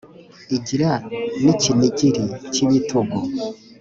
igira n‘icyinigiri k’ibitugu,